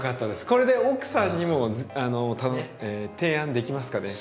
これで奥さんにも提案できますかね。